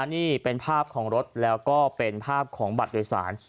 นี่เป็นภาพของรถแล้วก็เป็นภาพของบัตรโดยสาร